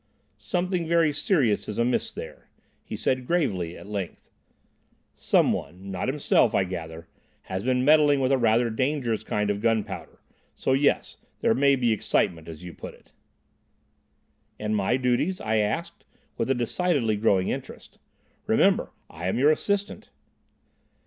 "Something very serious is amiss there," he said gravely, at length. "Some one—not himself, I gather,—has been meddling with a rather dangerous kind of gunpowder. So—yes, there may be excitement, as you put it." "And my duties?" I asked, with a decidedly growing interest. "Remember, I am your 'assistant.